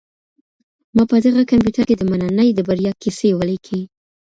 ما په دغه کمپیوټر کي د مننې د بریا کیسې ولیکلې.